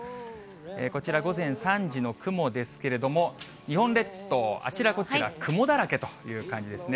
こちら、午前３時の雲ですけれども、日本列島、あちらこちら、雲だらけという感じですね。